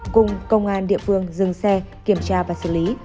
cùng công an địa phương dừng xe kiểm tra và xử lý